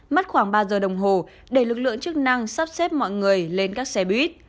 mất khoảng ba giờ đồng hồ để lực lượng chức năng sắp xếp mọi người lên các xe buýt